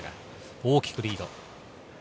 大きくリード。